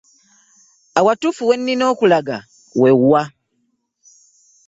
Awatuufu we nnina okulaga we wa?